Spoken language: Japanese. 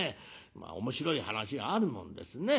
面白い話があるもんですね。